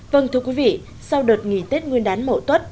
vâng thưa quý vị sau đợt nghỉ tết nguyên đán mậu tuất